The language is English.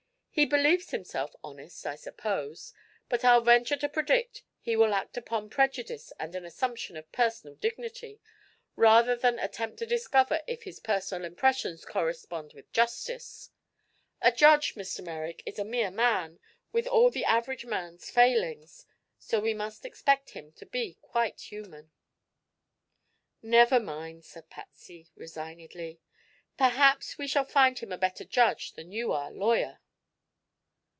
He believes himself honest, I suppose, but I'll venture to predict he will act upon prejudice and an assumption of personal dignity, rather than attempt to discover if his personal impressions correspond with justice. A judge, Mr. Merrick, is a mere man, with all the average man's failings; so we must expect him to be quite human." "Never mind," said Patsy resignedly. "Perhaps we shall find him a better judge than you are lawyer."